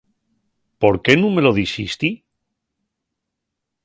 ¿Por qué nun me lo dixisti?